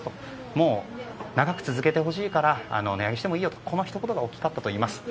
もう、長く続けてほしいから値上げしてもいいよとこのひと言が大きかったといいます。